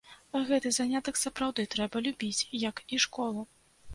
Гэты занятак сапраўды трэба любіць, як і школу.